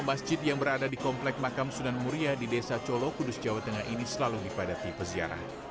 masjid yang berada di komplek makam sunan muria di desa colo kudus jawa tengah ini selalu dipadati peziarah